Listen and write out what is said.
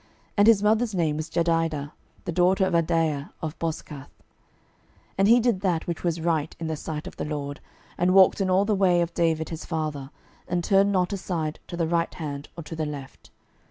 And his mother's name was Jedidah, the daughter of Adaiah of Boscath. 12:022:002 And he did that which was right in the sight of the LORD, and walked in all the way of David his father, and turned not aside to the right hand or to the left.